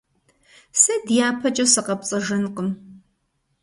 Сэ дяпэкӀэ сыкъэпцӀэжынкъым.